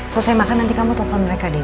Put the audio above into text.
selesai makan nanti kamu tonton mereka nih